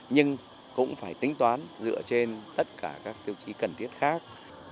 nhưng cũng phải tính toán dựa trên tất cả các tiêu chí cần thiết khác